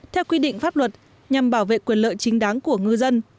theo quy định pháp luật nhằm bảo vệ quyền lợi chính đáng của ngư dân